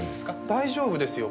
大丈夫ですよ。